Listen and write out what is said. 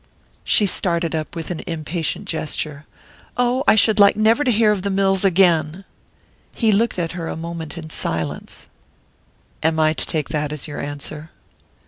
She started up with an impatient gesture. "Oh, I should like never to hear of the mills again!" He looked at her a moment in silence. "Am I to take that as your answer?"